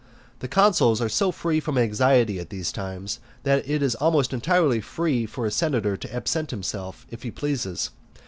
The consuls are so free from anxiety at these times, that it is almost entirely free for a senator to absent himself if he pleases.